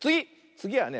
つぎはね